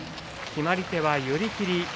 決まり手は寄り切り。